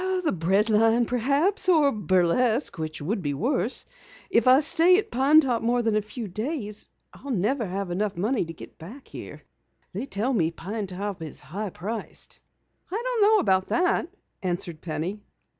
"The bread line, perhaps, or burlesque which would be worse. If I stay at Pine Top more than a few days I'll never have money enough to get back here. They tell me Pine Top is high priced." "I don't know about that," answered Penny.